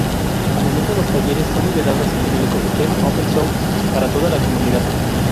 A menudo, los talleres son liberados en el ecosistema open-source para toda la comunidad.